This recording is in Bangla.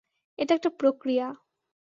এটা একটা প্রক্রিয়া।